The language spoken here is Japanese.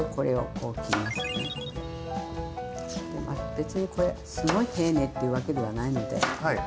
別にこれはすごい丁寧っていうわけではないのでこんな感じで。